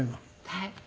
はい。